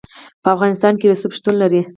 په افغانستان کې رسوب شتون لري.